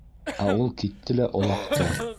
Ә ул китте лә олаҡты.